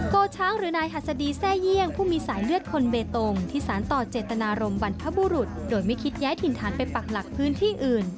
โกช้างหรือนายหัสดีแทร่เยี่ยงผู้มีสายเลือดคนเบตงที่สารต่อเจตนารมณ์บรรพบุรุษโดยไม่คิดย้ายถิ่นฐานไปปักหลักพื้นที่อื่น